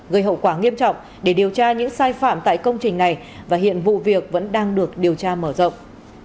gây hậu quả nghiêm trọng để điều tra những sai phạm tại công trình này và hiện vụ việc vẫn đang được điều tra mở rộng